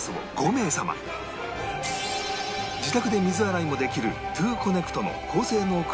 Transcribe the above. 自宅で水洗いもできるトゥーコネクトの高性能空気清浄機